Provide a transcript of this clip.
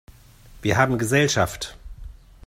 Wir haben Gesellschaft!